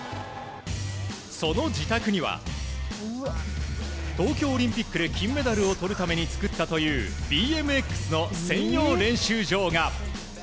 その自宅には東京オリンピックで金メダルをとるために作ったというＢＭＸの専用練習場が。